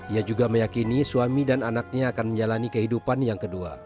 ia juga meyakini suami dan anaknya akan menjalani kehidupan yang kedua